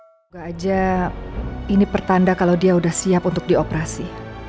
semoga aja ini pertanda kalau dia sudah siap untuk dioperasi